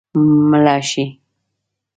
مړه شي